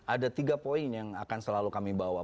ada tiga poin yang akan selalu kami bawa